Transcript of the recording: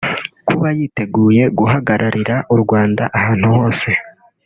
Kuba yiteguye guhagararira Urwanda ahantu hose